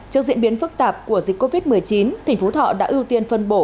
trước diễn biến phức tạp của dịch covid một mươi chín tỉnh phú thọ đã ưu tiên phân bổ